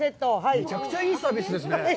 めちゃくちゃいいサービスですね。